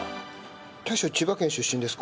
大将千葉県出身ですか？